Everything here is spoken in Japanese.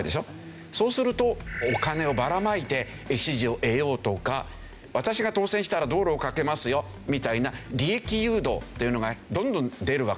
そうするとお金をばらまいて支持を得ようとか私が当選したら道路をかけますよみたいな利益誘導というのがどんどん出るわけですよね。